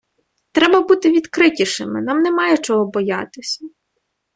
Треба бути відкритішим, нам немає чого боятися.